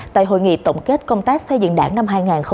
tại hội nghị tổng kết công tác xây dựng đảng năm hai nghìn hai mươi